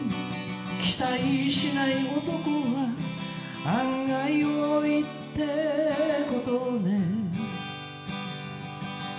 「期待しない男は案外多いって事をね」